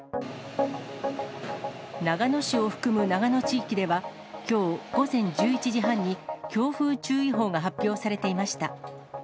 長野市を含む長野地域では、きょう午前１１時半に強風注意報が発表されていました。